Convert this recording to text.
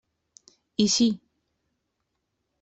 I sí.